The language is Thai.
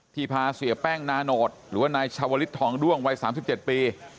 พาเสียแป้งนาโนตหรือว่านายชาวลิศทองด้วงวัย๓๗ปี